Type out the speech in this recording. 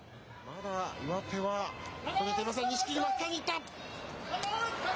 上手は取れていません、錦木の下に行った。